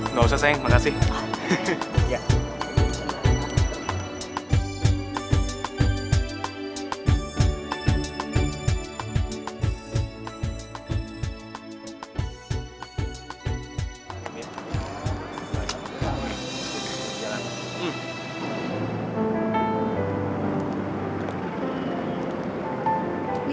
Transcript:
nggak usah sayang makasih